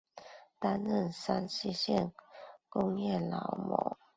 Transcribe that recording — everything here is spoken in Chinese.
担任山西省工业劳模。